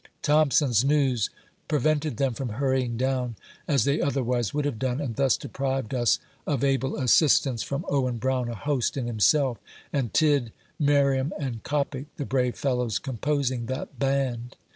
Thompson's news prevented them from hurrying down, as they otherwise would have done, and thus deprived us of able assistance from Owen Brown, a host in himself, and Tidd, Merriam and Coppic, the brave fellows composing that band.